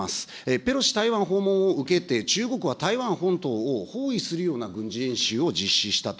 ペロシ台湾訪問を受けて、中国は台湾本島を包囲するような軍事演習を実施したと。